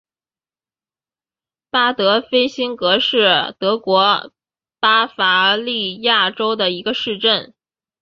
巴德菲辛格是德国巴伐利亚州的一个市镇。